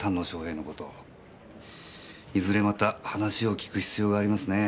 いずれまた話を聞く必要がありますね。